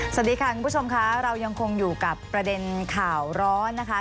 สวัสดีค่ะคุณผู้ชมค่ะเรายังคงอยู่กับประเด็นข่าวร้อนนะคะ